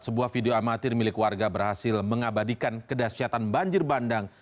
sebuah video amatir milik warga berhasil mengabadikan kedahsyatan banjir bandang